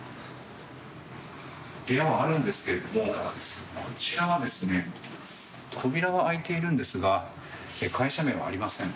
部屋はあるんですけどこちらは扉は開いているんですが会社名はありません。